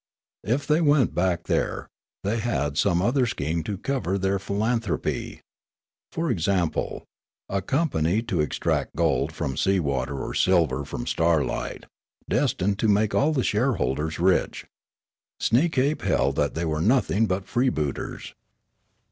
If they went back there, they had some other scheme to cover their philanthropy : for example, a company to extract gold from sea water or silver from starlight, destined to make all the shareholders rich. Sneekape held thajt they were nothing but freebooters.